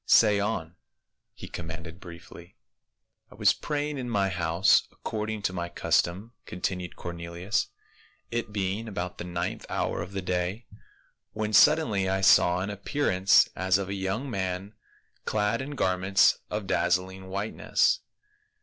"Say on," he commanded briefly. " I was praying in my house according to my cus tom," continued Cornelius, "it being about the ninth hour of the day, when suddenly I saw an appearance as of a young man clad in garments of dazzling white ness.